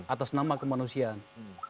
atas nama kemanusiaan